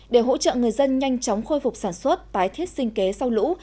để hỗ trợ người dân nhanh chóng khôi phục sản xuất tái thiết sinh kế sau lũ